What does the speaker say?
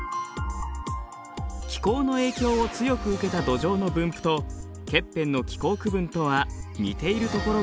気候の影響を強く受けた土壌の分布とケッペンの気候区分とは似ているところが多いのです。